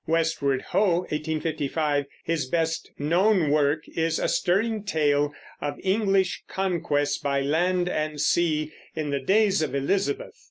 Westward Ho! (1855), his best known work, is a stirring tale of English conquest by land and sea in the days of Elizabeth.